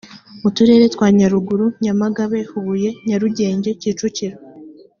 uturere twa nyaruguru, nyamagabe, huye. nyarugenge, kicukiro